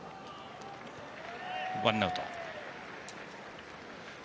ワンアウトです。